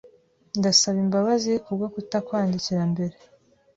Ndasaba imbabazi kubwo kutakwandikira mbere.